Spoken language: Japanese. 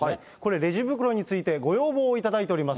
レジ袋について、ご要望を頂いております。